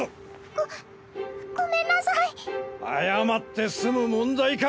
ごごめんな謝って済む問題か？